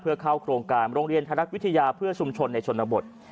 เพื่อเข้าโครงการโรงเรียนไทยรัฐวิทยาเพื่อชุมชนในชนบท